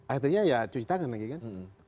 akhirnya ya cuci tangan lagi kan